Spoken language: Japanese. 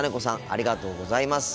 ありがとうございます。